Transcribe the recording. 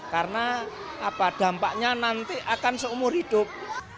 karena dampaknya nanti akan seumur hidup